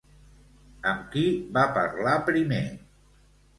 Amb qui va parlar primer?